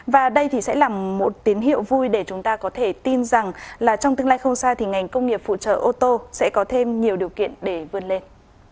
và đây thì sẽ là một tín hiệu vui để chúng ta có thể tin rằng là trong tương lai không xa thì ngành công nghiệp phụ trợ ô tô sẽ có thêm nhiều điều kiện để vươn lên